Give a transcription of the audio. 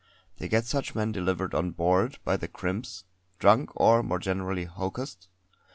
They get such men delivered on board by the crimps, drunk or, more generally, hocussed.